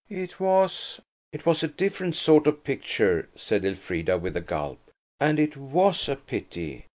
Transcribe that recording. "It was–it was a different sort of picture," said Elfrida, with a gulp, "and it was a pity."